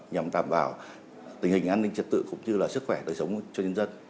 nhằm tạm bảo tình hình an ninh trật tự cũng như sức khỏe đời sống cho nhân dân